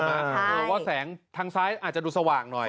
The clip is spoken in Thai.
เพราะว่าแสงทางซ้ายอาจจะดูสว่างหน่อย